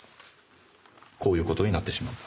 こういうことになってしまった。